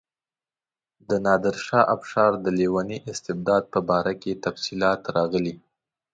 د نادرشاه افشار د لیوني استبداد په باره کې تفصیلات راغلي.